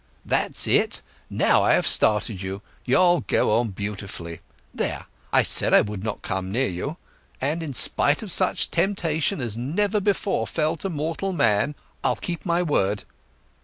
"That's it! Now I have started you—you'll go on beautifully. There—I said I would not come near you; and, in spite of such temptation as never before fell to mortal man, I'll keep my word....